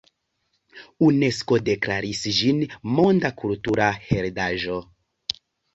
Unesko deklaris ĝin Monda Kultura Heredaĵo.